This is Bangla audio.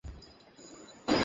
এখন বুলেটটা ধরতে যাচ্ছি।